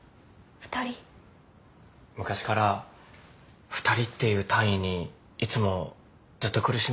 昔から２人っていう単位にいつもずっと苦しめられてて。